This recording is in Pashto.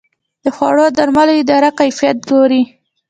د خوړو او درملو اداره کیفیت ګوري